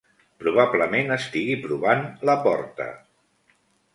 Probablement estigui provant la porta!